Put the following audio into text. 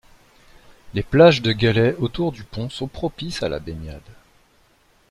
Les plages de galets autour du pont sont propices à la baignade.